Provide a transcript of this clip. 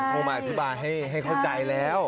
อ๋ออันนี้หลังเขามายังได้บอกมาให้เข้าใจแล้ว